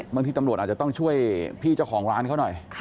บางทีตำรวจอาจจะต้องช่วยพี่เจ้าของร้านเขาหน่อย